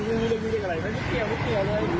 คุณคุณปล่อยพระก่อน